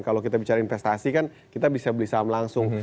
kalau kita bicara investasi kan kita bisa beli saham langsung